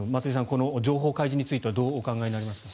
この情報開示についてはどうお考えになりますか。